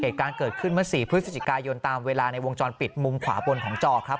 เหตุการณ์เกิดขึ้นเมื่อ๔พฤศจิกายนตามเวลาในวงจรปิดมุมขวาบนของจอครับ